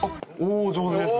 お上手ですね。